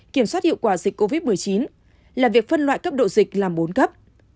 kiểm soát hiệu quả dịch covid một mươi chín là việc phân loại cấp độ dịch làm bốn cấp